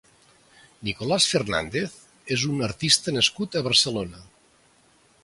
Nicolás Fernández és un artista nascut a Barcelona.